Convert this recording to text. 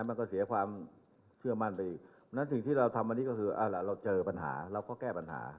มันก็เสียความเชื่อมั่นไปอีกสิ่งที่เราทำวันนี้เราเจอปัญหาเราก็แก้ปัญหา